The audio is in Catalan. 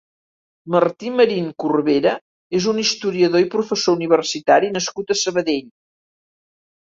Martí Marín Corbera és un historiador i professor universitari nascut a Sabadell.